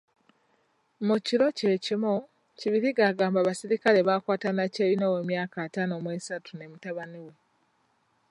Mu kiro kye kimu, Kibirige agamba abasirikale baakwata Nakyeyune ow'emyaka ataano mu esatu ne mutabani we.